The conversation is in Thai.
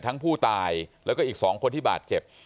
ทั้งผู้ตายแล้วก็อีก๒คนที่บาดเจ็บ